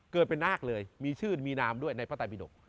เกิดเป็นนาคเลยมีชื่นมีน้ำด้วยในพระต่ายปีดก